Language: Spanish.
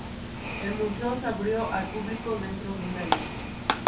El museo se abrió al público dentro de un año.